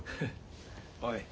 おい。